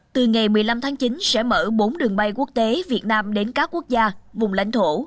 từ ngày một mươi năm tháng chín sẽ mở bốn đường bay quốc tế việt nam đến các quốc gia vùng lãnh thổ